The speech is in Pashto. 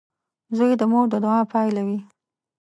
• زوی د مور د دعا پایله وي.